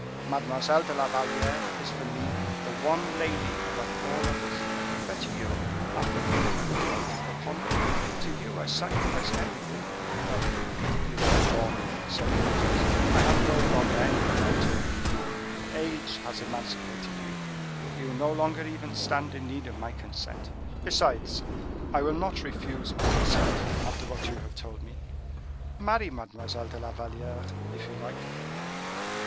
Mademoiselle de la Valliere is for me the one lady above all others; but you are for me a god upon earth—to you I sacrifice everything." "You are wrong," said Athos; "I have no longer any right over you. Age has emancipated you; you no longer even stand in need of my consent. Besides, I will not refuse my consent after what you have told me. Marry Mademoiselle de la Valliere, if you like."